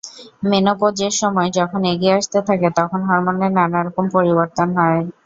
মেনোপোজের সময় যখন এগিয়ে আসতে থাকে, তখন হরমোনের নানা রকম পরিবর্তন হয়।